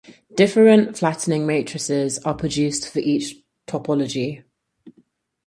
Different flattening matrices are produced for each topology.